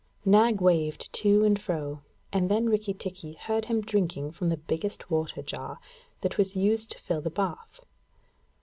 Nag waved to and fro, and then Rikki tikki heard him drinking from the biggest water jar that was used to fill the bath.